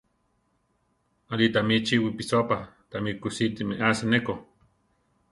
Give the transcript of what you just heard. Aʼlí tami chi wipisópa; tami kusíti meási neko.